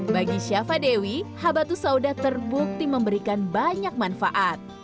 bagi syafa dewi habatus sauda terbukti memberikan banyak manfaat